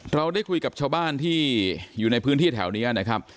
เราได้คุยกับชาวบ้านที่อยู่ในพื้นที่แถวนี้นะครับ